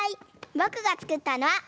ぼくがつくったのはこれ！